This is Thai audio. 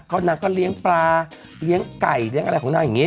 นางก็เลี้ยงปลาเลี้ยงไก่เลี้ยงอะไรของนางอย่างนี้